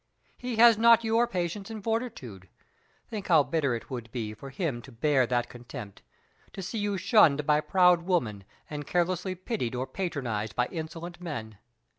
He has not your patience and fortitude. Think how bitter it would be for him to bear that contempt to see you shunned by proud women, and carelessly pitied or patronized by insolent men.